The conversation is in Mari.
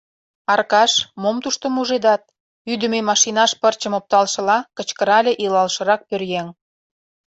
— Аркаш, мом тушто мужедат? — ӱдымӧ машинаш пырчым опталшыла кычкырале илалшырак пӧръеҥ.